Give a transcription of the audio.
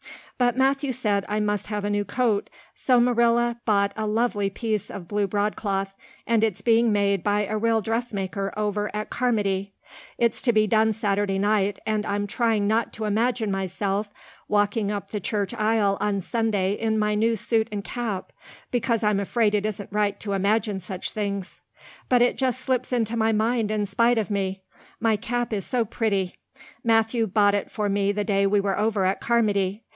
But Matthew said I must have a new coat, so Marilla bought a lovely piece of blue broadcloth, and it's being made by a real dressmaker over at Carmody. It's to be done Saturday night, and I'm trying not to imagine myself walking up the church aisle on Sunday in my new suit and cap, because I'm afraid it isn't right to imagine such things. But it just slips into my mind in spite of me. My cap is so pretty. Matthew bought it for me the day we were over at Carmody.